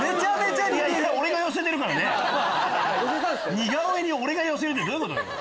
似顔絵に俺が寄せるってどういうことよ！